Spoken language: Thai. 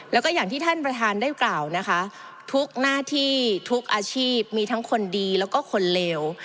แล้วก็อย่างที่ท่านประธานได้กล่าวนะคะทุกหน้าที่ทุกอาชีพมีทั้งคนดีแล้วก็คนเลว